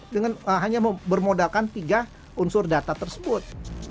dengan hanya bermodalkan tiga unsur data tersebut